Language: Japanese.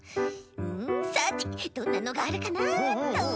さてどんなのがあるかなっと。